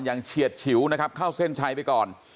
เฉียดฉิวนะครับเข้าเส้นชัยไปก่อน